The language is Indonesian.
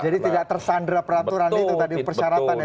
jadi tidak tersandra peraturan itu tadi persyaratannya